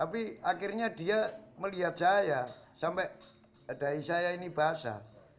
tapi akhirnya dia melihat saya sampai dai saya ini basah